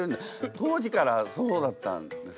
当時からそうだったんですね。